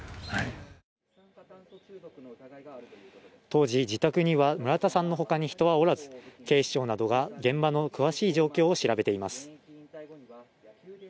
当時自宅には村田さんのほかに人はおらず警視庁などが現場の詳しい状況を調べています